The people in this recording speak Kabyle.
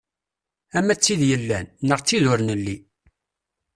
Ama d tid yellan, neɣ d tid ur nelli.